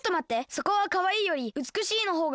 そこは「かわいい」より「うつくしい」のほうがよくない？